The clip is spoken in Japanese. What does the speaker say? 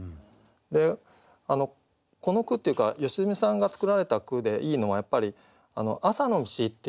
でこの句っていうか良純さんが作られた句でいいのはやっぱり「朝の道」っていうね